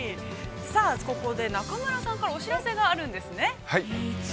◆ここで中村さんからお知らせがあるんですね。